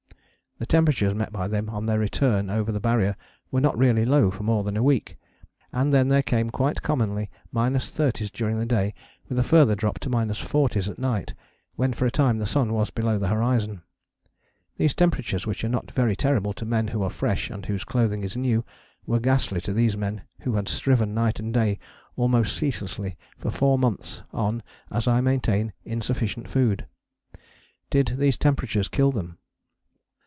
The temperatures met by them on their return over the Barrier were not really low for more than a week, and then there came quite commonly minus thirties during the day with a further drop to minus forties at night, when for a time the sun was below the horizon. These temperatures, which are not very terrible to men who are fresh and whose clothing is new, were ghastly to these men who had striven night and day almost ceaselessly for four months on, as I maintain, insufficient food. Did these temperatures kill them?